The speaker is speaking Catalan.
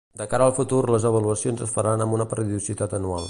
De cara al futur les avaluacions es faran amb una periodicitat anual.